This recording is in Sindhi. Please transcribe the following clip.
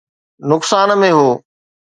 نقصان ۾ هو